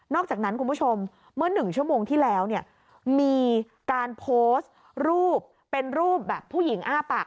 อกจากนั้นคุณผู้ชมเมื่อ๑ชั่วโมงที่แล้วเนี่ยมีการโพสต์รูปเป็นรูปแบบผู้หญิงอ้าปาก